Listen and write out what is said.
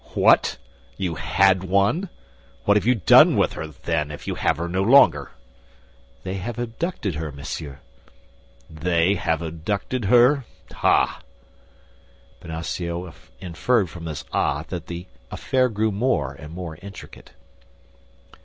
"What, you 'had one'? What have you done with her, then, if you have her no longer?" "They have abducted her, monsieur." "They have abducted her? Ah!" Bonacieux inferred from this "Ah" that the affair grew more and more intricate.